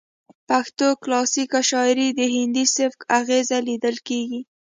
پښتو کلاسیکه شاعرۍ کې د هندي سبک اغیز لیدل کیږي